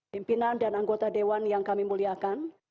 pimpinan dan anggota dewan yang kami muliakan